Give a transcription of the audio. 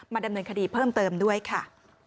ดำเนินคดีเพิ่มเติมด้วยค่ะ